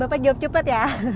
bapak jawab cepat ya